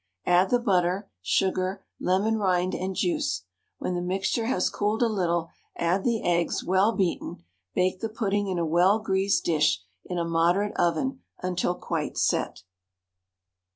Add the butter, sugar, lemon rind, and juice; when the mixture has cooled a little, add the eggs, well beaten; bake the pudding in a well greased dish in a moderate oven until quite set.